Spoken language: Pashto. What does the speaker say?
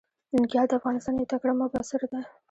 ننګيال د افغانستان يو تکړه مبصر ده.